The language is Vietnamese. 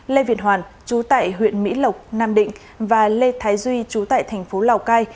lê viện hoàn trú tại huyện mỹ lộc nam định và lê thái duy trú tại thành phố lào cai